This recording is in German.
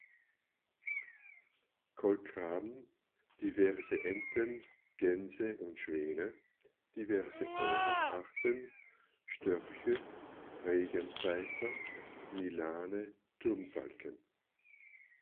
Kolkraben, diverse Enten, Gänse und Schwäne, diverse Eulenarten, Störche, Regenpfeifer, Milane, Turmfalken.